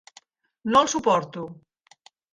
No el suporto.